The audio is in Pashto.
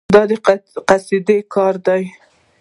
دا قصدي کار دی.